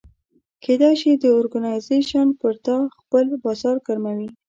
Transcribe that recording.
کېدای شي دا اورګنایزیش پر تا خپل بازار ګرموي.